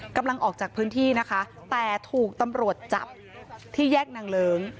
กำลังออกจากพื้นที่นะคะแต่ถูกตำรวจจับที่แยกนางเลิ้ง